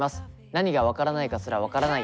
何が分からないかすら分からない